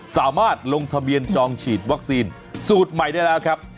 สามารถลงทะเบียนจองฉีดวัคซีนสูตรใหม่ได้แล้วครับ